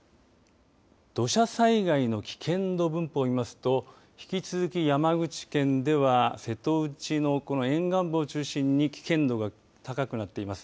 土砂災害の危険度分布を見ますと引き続き山口県では瀬戸内のこの沿岸部を中心に危険度が高くなっています。